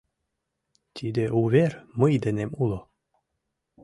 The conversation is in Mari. Тиде увер мый денем уло.